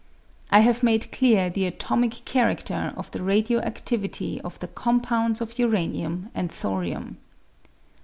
I have made clear the atomic charader of the radio adivity of the compounds of uranium and thorium.